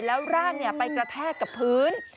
แล้วร่างไปกระแทกกับพื้น